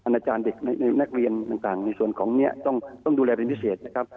อาจารย์เด็กในนักเรียนต่างในส่วนของนี้ต้องดูแลเป็นพิเศษนะครับ